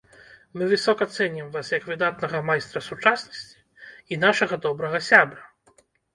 Мы высока цэнім вас як выдатнага майстра сучаснасці і нашага добрага сябра.